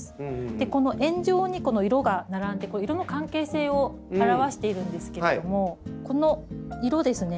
この円状に色が並んで色の関係性を表しているんですけどもこの色ですね。